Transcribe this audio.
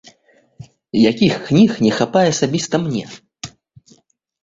Якіх кніг не хапае асабіста мне?